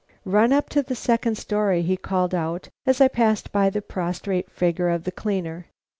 "Run up to the second story," he called out, as I passed by the prostrate figure of the cleaner.